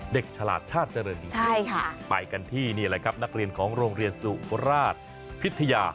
ฉลาดชาติเจริญดีไปกันที่นี่แหละครับนักเรียนของโรงเรียนสุราชพิทยา